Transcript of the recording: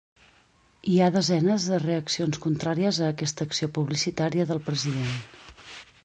Hi ha desenes de reaccions contràries a aquesta acció publicitària del president.